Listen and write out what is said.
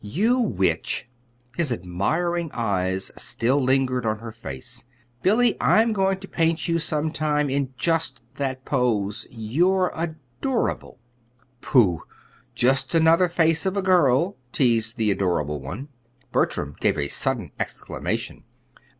"You witch!" His admiring eyes still lingered on her face. "Billy, I'm going to paint you sometime in just that pose. You're adorable!" "Pooh! Just another face of a girl," teased the adorable one. Bertram gave a sudden exclamation.